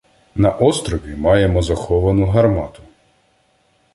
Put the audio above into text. На острові маємо заховану гармату.